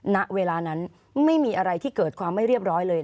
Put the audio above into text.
ณเวลานั้นไม่มีอะไรที่เกิดความไม่เรียบร้อยเลย